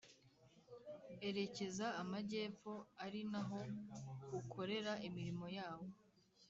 Erekeza Amajyepfo ari naho ukorera imirimo yawo